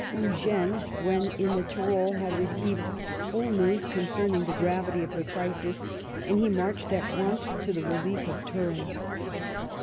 Eugene, when 252 BAMILLIES AND ALMANZA in the Tyrol, had received full news concerning the gravity of the crisis, and he marched at once to the relief of Turin.